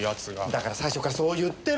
だから最初からそう言ってるでしょ！